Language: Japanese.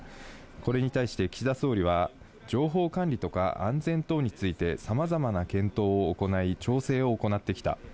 これに対して岸田総理は、情報管理とか安全等について、さまざまな検討を行い、調整を行ってきた。